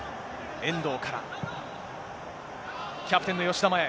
遠藤から、キャプテンの吉田麻也へ。